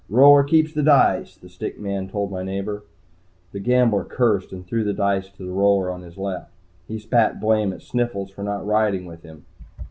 "Roller keeps the dice," the stick man told my neighbor. The gambler cursed and threw the dice to the roller on his left. He spat blame at Sniffles for not riding with him.